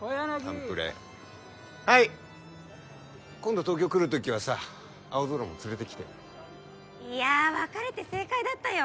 誕プレはい今度東京来る時はさ青空も連れてきていや別れて正解だったよ